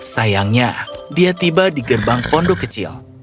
sayangnya dia tiba di gerbang pondok kecil